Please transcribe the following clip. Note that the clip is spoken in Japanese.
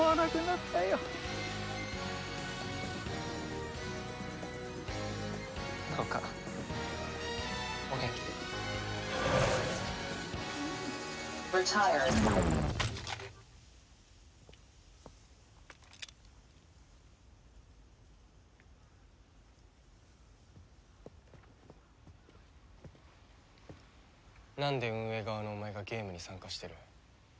なんで運営側のお前がゲームに参加してる？